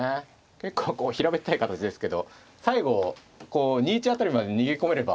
結構平べったい形ですけど最後こう２一辺りまで逃げ込めれば。